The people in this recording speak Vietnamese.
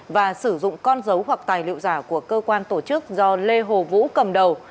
và sử dụng con dấu hoặc tài liệu giả của cơ quan tổ chức do lê hồ vũ cầm đầu